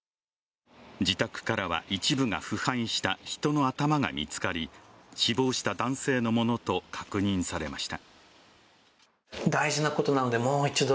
自宅からは一部が腐敗した人の頭が見つかり、死亡した男性のものと確認されました。